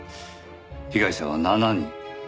被害者は７人。